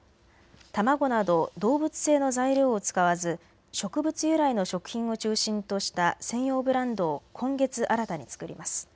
卵など動物性の材料を使わず植物由来の食品を中心とした専用ブランドを今月新たに作ります。